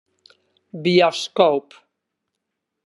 Bioskoop.